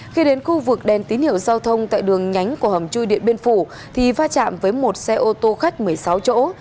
khi đến khu vực đèn tín hiệu giao thông tại đường nhánh của hầm chui điện biên phủ thì va chạm với một xe ô tô khách một mươi sáu chỗ